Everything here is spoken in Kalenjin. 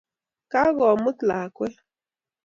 Kagomut lakwet